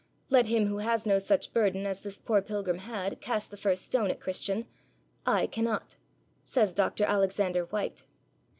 'Let him who has no such burden as this poor pilgrim had cast the first stone at Christian; I cannot,' says Dr. Alexander Whyte.